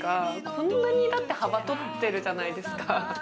こんなに幅取ってるじゃないですか。